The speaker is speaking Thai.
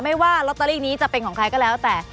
ไม่ว่าลอตเตอรี่นี้จะเป็นของใครก็แล้วแต่